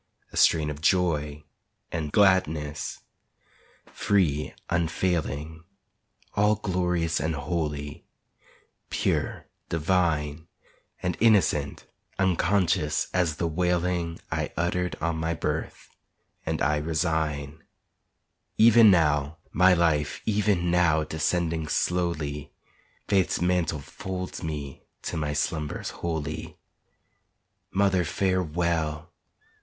A strain of joy and gladness, free, unfailing All glorious and holy, pure, divine, And innocent, unconscious as the wailing I uttered on my birth; and I resign Even now, my life, even now descending slowly, Faith's mantle folds me to my slumbers holy. Mother, farewell!